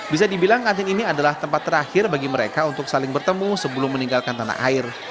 bisa dibilang kantin ini adalah tempat terakhir bagi mereka untuk saling bertemu sebelum meninggalkan tanah air